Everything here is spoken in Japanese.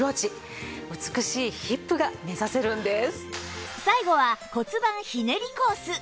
美しいヒップが目指せるんです。